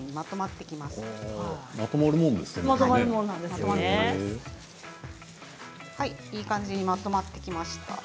いい感じにまとまってきました。